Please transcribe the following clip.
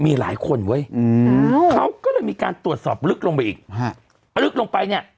มีหลายคนเค้าเรายังตรวจสอบลึกลงไปอีก